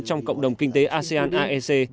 trong cộng đồng kinh tế asean aec